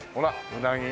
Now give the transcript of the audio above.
うなぎ。